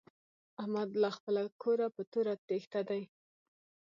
احمد له خپله کوره په توره تېښته دی.